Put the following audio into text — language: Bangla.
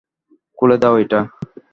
খুলে দাও ওটা!